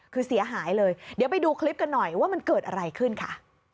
คือเสียหายเลยเดี๋ยวไปดูคลิปกันหน่อยว่ามันเกิดอะไรขึ้นค่ะ